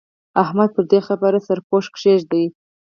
احمده! پر دې خبره سرپوښ کېږده.